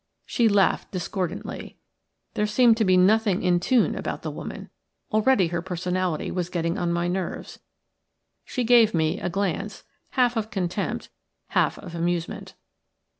She laughed discordantly. There seemed to be nothing in tune about the woman. Already her personality was getting on my nerves. She gave me a glance, half of contempt, half of amusement.